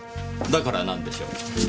だから何でしょう？